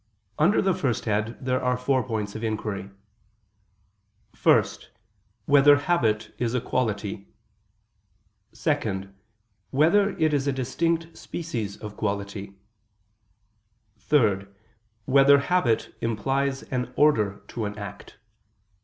Under the first head, there are four points of inquiry: (1) Whether habit is a quality? (2) Whether it is a distinct species of quality? (3) Whether habit implies an order to an act?